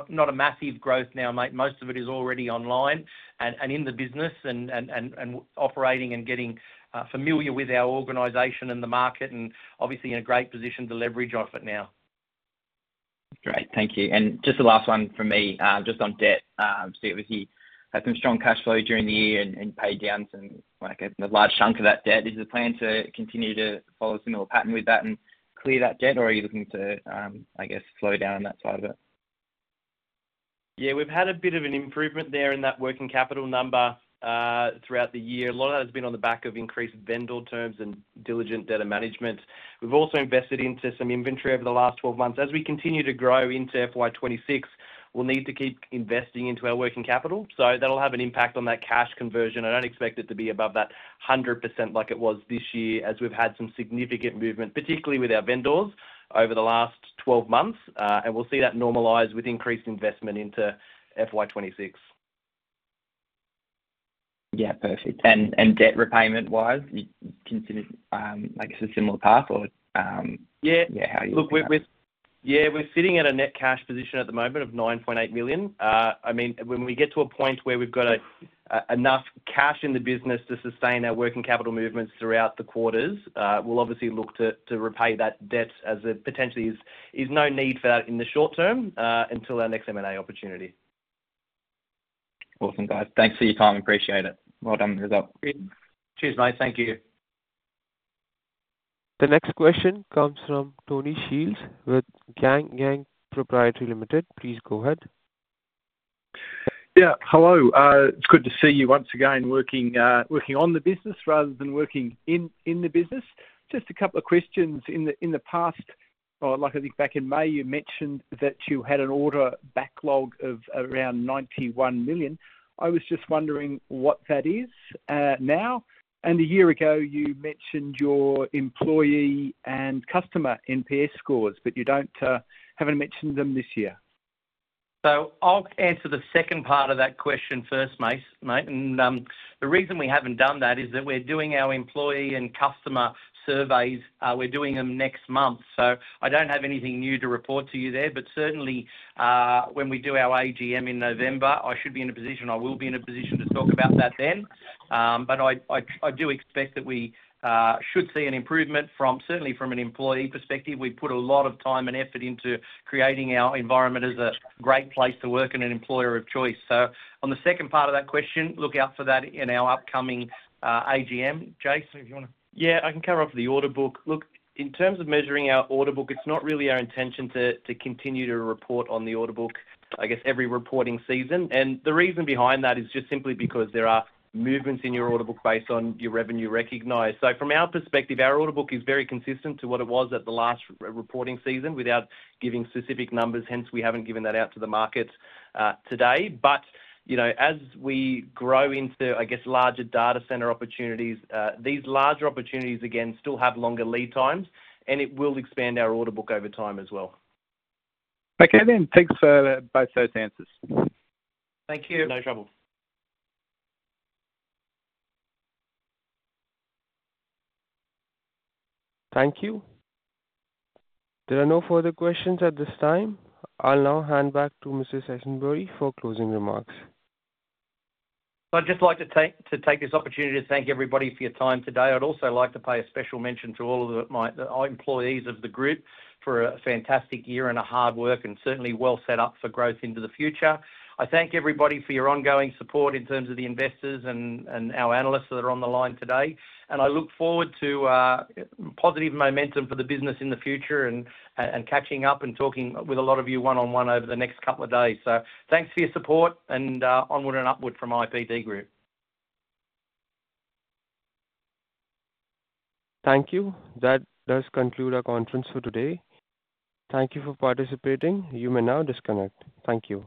Not a massive growth now, mate. Most of it is already online and in the business and operating and getting familiar with our organization and the market and obviously in a great position to leverage off it now. Great. Thank you. Just the last one for me, just on debt. Obviously, I have some strong cash flow during the year and paid down some, like a large chunk of that debt. Is the plan to continue to follow a similar pattern with that and clear that debt, or are you looking to, I guess, slow down on that side of it? Yeah, we've had a bit of an improvement there in that working capital number throughout the year. A lot of that has been on the back of increased vendor terms and diligent debtor management. We've also invested into some inventory over the last 12 months. As we continue to grow into FY 2026, we'll need to keep investing into our working capital. That'll have an impact on that cash conversion. I don't expect it to be above that 100% like it was this year, as we've had some significant movement, particularly with our vendors over the last 12 months. We'll see that normalize with increased investment into FY 2026. Yeah, perfect. Debt repayment-wise, you considered like a similar path or? Yeah, yeah, we're sitting at a net cash position at the moment of 9.8 million. I mean, when we get to a point where we've got enough cash in the business to sustain our working capital movements throughout the quarters, we'll obviously look to repay that debt as it potentially is no need for that in the short term until our next M&A opportunity. Awesome, guys. Thanks for your time. Appreciate it. Well done, the result. Cheers, mate. Thank you. The next question comes from Tony Shields with Gang Gang Proprietary Limited. Please go ahead. Yeah, hello. It's good to see you once again working on the business rather than working in the business. Just a couple of questions. In the past, or like I think back in May, you mentioned that you had an order backlog of around 91 million. I was just wondering what that is now. A year ago, you mentioned your employee and customer NPS scores, but you haven't mentioned them this year. I'll answer the second part of that question first, mate. The reason we haven't done that is that we're doing our employee and customer surveys. We're doing them next month. I don't have anything new to report to you there, but certainly when we do our AGM in November, I should be in a position, I will be in a position to talk about that then. I do expect that we should see an improvement from certainly from an employee perspective. We put a lot of time and effort into creating our environment as a great place to work and an employer of choice. On the second part of that question, look out for that in our upcoming AGM. Jason, if you want to... Yeah, I can cover for the order book. In terms of measuring our order book, it's not really our intention to continue to report on the order book every reporting season. The reason behind that is just simply because there are movements in your order book based on your revenue recognized. From our perspective, our order book is very consistent to what it was at the last reporting season without giving specific numbers. Hence, we haven't given that out to the market today. As we grow into larger data center opportunities, these larger opportunities again still have longer lead times, and it will expand our order book over time as well. Okay, then. Thanks for both those answers. Thank you. No trouble. Thank you. There are no further questions at this time. I'll now hand back to Mr. Sainsbury for closing remarks. I'd just like to take this opportunity to thank everybody for your time today. I'd also like to pay a special mention to all of my employees of the group for a fantastic year and hard work and certainly well set up for growth into the future. I thank everybody for your ongoing support in terms of the investors and our analysts that are on the line today. I look forward to positive momentum for the business in the future and catching up and talking with a lot of you one-on-one over the next couple of days. Thanks for your support and onward and upward from IPD Group. Thank you. That does conclude our conference for today. Thank you for participating. You may now disconnect. Thank you.